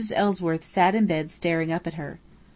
Ellsworth sat in bed staring up at her.